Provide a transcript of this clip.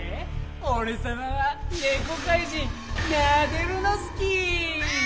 おれさまはネコかいじんナデルノスキー。